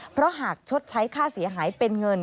เพราะหากชดใช้ค่าเสียหายเป็นเงิน